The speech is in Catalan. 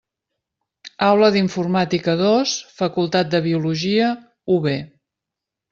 Aula d'informàtica dos Facultat de Biologia, UB.